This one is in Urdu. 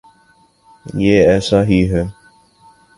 یہ ایسا ہی ہے۔